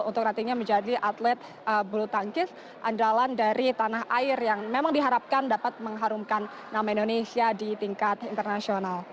untuk nantinya menjadi atlet bulu tangkis andalan dari tanah air yang memang diharapkan dapat mengharumkan nama indonesia di tingkat internasional